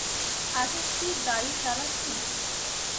আগে কি গাড়ি চালাসনি?